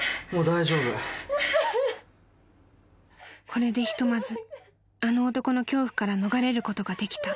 ［これでひとまずあの男の恐怖から逃れることができた］